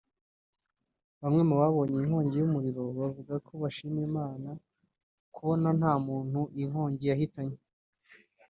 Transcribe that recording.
Bamwe mu babonye iyi nkongi y’umuriro buvugaga ko bashima Imana kubona nta muntu iyi nkongi yahitanye